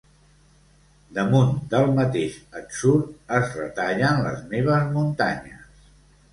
Damunt del mateix atzur es retallen les meves muntanyes.